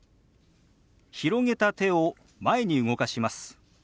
広げた手を前に動かします。